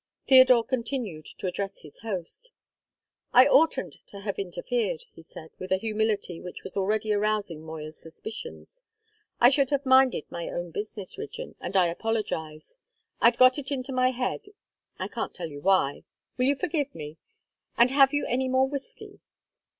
Theodore continued to address his host. "I oughtn't to have interfered," he said, with a humility which was already arousing Moya's suspicions. "I should have minded my own business, Rigden, and I apologise. I'd got it into my head I can't tell you why. Will you forgive me? And have you any more whisky?"